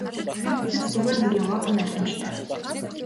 Тэд зүгээр нэг яваагүй нь ойлгомжтой.